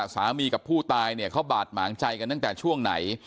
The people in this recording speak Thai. สามีกับผู้ตายเนี่ยเขาบาดหมางใจกันตั้งแต่ช่วงไหน